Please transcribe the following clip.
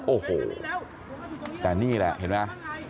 โอ้โหแต่นี่แหละเห็นไหม